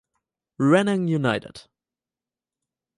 Ranong United